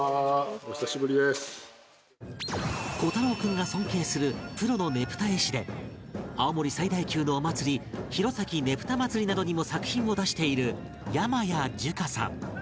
虎太朗君が尊敬するプロのねぷた絵師で青森最大級のお祭り弘前ねぷた祭りなどにも作品を出している山谷寿華さん